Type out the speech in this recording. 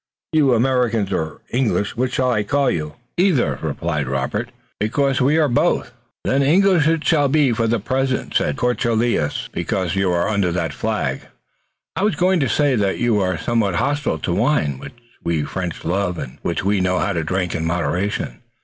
"You Americans or English which shall I call you?" "Either," replied Robert, "because we are both." "Then English it shall be for the present, because you are under that flag. I was going to say that you are somewhat hostile to wine, which we French love, and which we know how to drink in moderation.